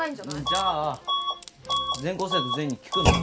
じゃあ全校生徒全員に聞くの？